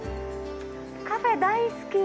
カフェ大好き。